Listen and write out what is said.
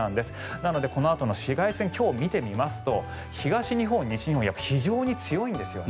なのでこのあとの紫外線を今日見てみますと東日本、西日本非常に強いんですよね。